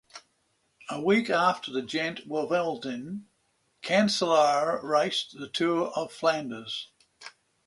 A week after the Gent-Wevelgem, Cancellara raced the Tour of Flanders.